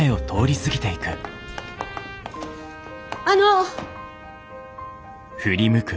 あの！